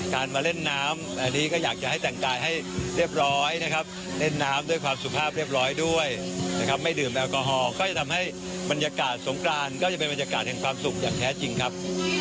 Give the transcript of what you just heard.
ก็จะทำให้บรรยากาศสงครานก็จะเป็นบรรยากาศแห่งความสุขอย่างแท้จริงครับ